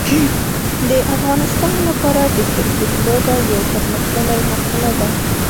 د افغانستان لپاره د کرکټ لوبه یو پرمختللی مرحله ده.